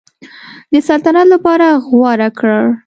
د سلطنت لپاره غوره کړ.